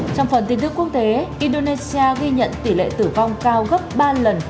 trong phần tin tức quốc tế indonesia ghi nhận tỷ lệ tử vong cao gấp ba lần